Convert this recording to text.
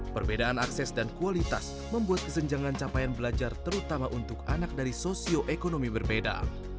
perbedaan akses dan kualitas membuat kesenjangan capaian belajar terutama untuk anak dari sosioekonomi berbeda